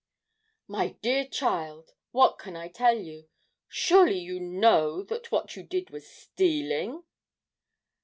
'My dear child, what can I tell you? Surely you know that what you did was stealing?'